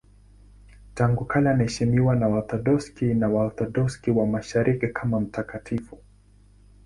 Tangu kale anaheshimiwa na Waorthodoksi na Waorthodoksi wa Mashariki kama mtakatifu.